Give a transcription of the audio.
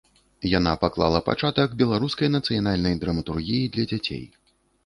Яна паклала пачатак беларускай нацыянальнай драматургіі для дзяцей.